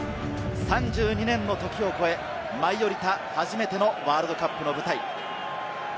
３２年のときを超え、舞い降りた初めてのワールドカップの舞台。